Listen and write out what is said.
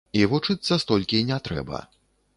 І вучыцца столькі не трэба.